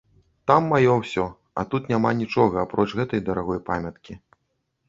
Там маё ўсё, а тут няма нічога, апроч гэтай дарагой памяткі.